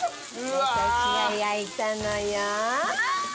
私が焼いたのよ。